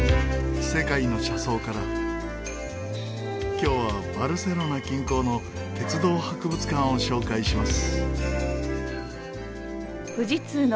今日はバルセロナ近郊の鉄道博物館を紹介します。